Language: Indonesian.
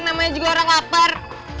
namanya juga orang lapar